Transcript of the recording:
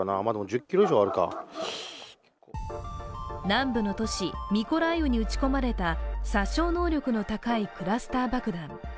南部の都市ミコライウに撃ち込まれた殺傷能力の高いクラスター爆弾。